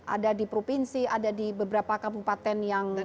ada di provinsi ada di beberapa kabupaten yang